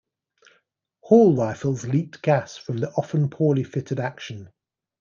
Hall rifles leaked gas from the often poorly fitted action.